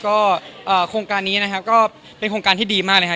ก็คงการนี้ก็เป็นคงการที่ดีมากเลยค่ะ